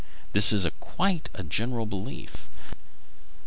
This is quite a general belief.